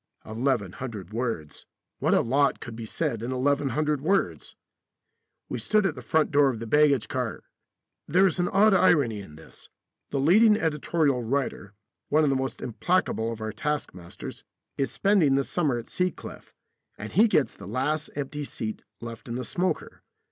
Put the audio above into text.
Eleven hundred words what a lot could be said in 1100 words! We stood at the front door of the baggage car (there is an odd irony in this: the leading editorial writer, one of the most implacable of our taskmasters, is spending the summer at Sea Cliff, and he gets the last empty seat left in the smoker.